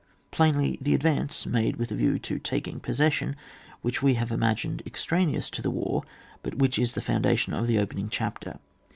Plainly the advance made with a view to taking possession, which we have imagined extraneous to the war, but which is the foundation of the open ing chapter.